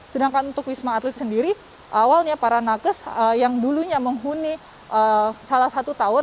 sedangkan untuk wisma atlet sendiri awalnya para nakes yang dulunya menghuni salah satu tower